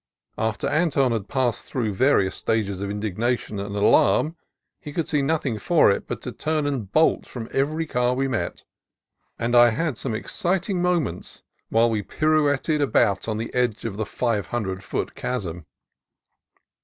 After Anton had passed through various stages of indig nation and alarm, he could see nothing for it but to turn and bolt from every car we met, and I had some exciting moments while we pirouetted about on the edge of the five hundred foot chasm.